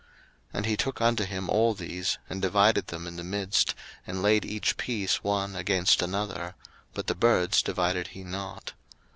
01:015:010 And he took unto him all these, and divided them in the midst, and laid each piece one against another: but the birds divided he not.